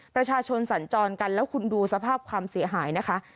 ประชาชนสัญจรกันแล้วคุณดูสภาพความเสียหายนะคะ